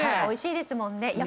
おいしいですもんね。